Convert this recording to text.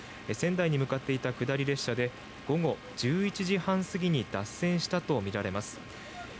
仙台に向かっていた下り列車で午後１１時半過ぎに脱線したとみられます。